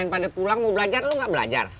yang lain pada pulang mau belajar lo gak belajar